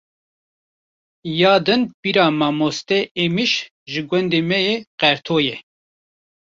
Ya din pîra mamoste Êmiş ji gundê me yê Qerto ye